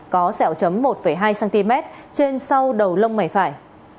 có sẹo chấm một hai cm trên sau đầu lông mày phải